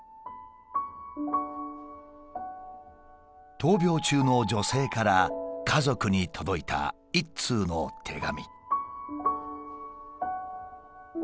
闘病中の女性から家族に届いた一通の手紙。